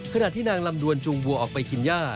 ขณะที่นางลำดวนจูงวัวออกไปกินย่า